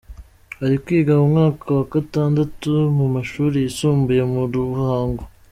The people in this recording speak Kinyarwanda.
Ari kwiga mu mwaka wa gatandatu mu mashuri yisumbuye mu Ruhango.